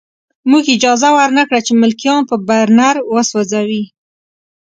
موږ اجازه ورنه کړه چې ملکیان په برنر وسوځوي